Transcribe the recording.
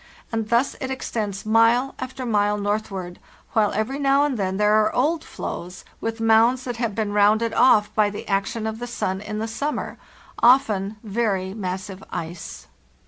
And thus it extends mile after mile northward, while every now and then there are old floes, with mounds that have been rounded off by the action of the sun in the summer—often very massive ice.